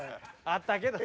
あったけど。